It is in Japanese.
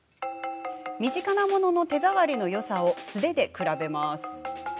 身近なものの手触りのよさを素手で比べます。